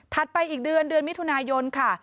ไปอีกเดือนเดือนมิถุนายนค่ะ